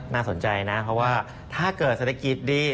น่าสนใจนะเพราะว่าถ้าเกิดเศรษฐกิจดี